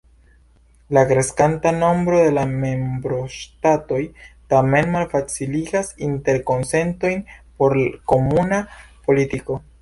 La kreskanta nombro de membroŝtatoj tamen malfaciligas interkonsentojn por komuna politiko.